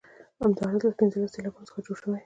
همداراز له پنځلسو سېلابونو څخه جوړې دي.